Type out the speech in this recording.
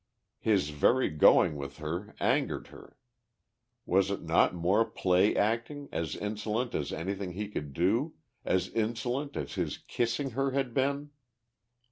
His very going with her angered her. Was it not more play acting, as insolent as anything he could do, as insolent as his kissing her had been!